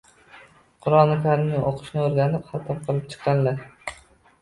Qur’oni karimni o‘qishni o‘rganib, xatm qilib chiqqanlar.